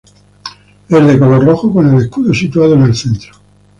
Es de color rojo con el escudo situado en el centro.